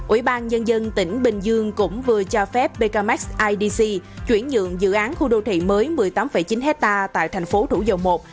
ủy ban nhân dân tỉnh bình dương cũng vừa cho phép pekamex idc chuyển nhượng dự án khu đô thị mới một mươi tám chín hectare tại thành phố thủ dầu một